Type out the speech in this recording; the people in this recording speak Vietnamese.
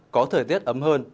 có thời tiết ấm hơn